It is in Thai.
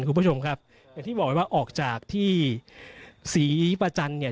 คุณผู้ชมครับอย่างที่บอกไว้ว่าออกจากที่ศรีประจันทร์เนี่ย